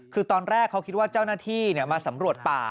คือตอนแรกเขาคิดว่าเจ้าหน้าที่มาสำรวจป่า